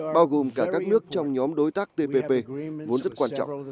bao gồm cả các nước trong nhóm đối tác tpp vốn rất quan trọng